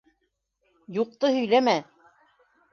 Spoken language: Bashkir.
Юҡты һөйләмә!